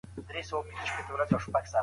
څو ژبې زده کول کمال دی.